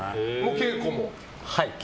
稽古も。